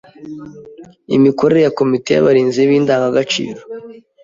Imikorere ya komite y’abarinzi b’indangagaciro